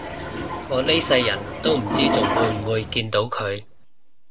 我呢世人都唔知仲會唔會見到佢